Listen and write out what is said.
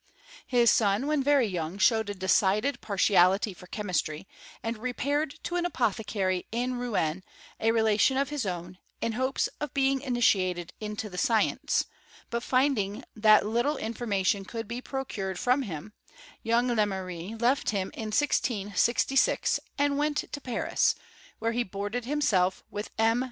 His son, when very young, showed a decided partiality for chemistry, and repaired to an apothecary in Rouen, a relation of his own, in hopes of being initiated into the science ; but finding that little in formation could be procured from him, young Lemery left him in 1666, and went to Paris, where he boarded himself with M.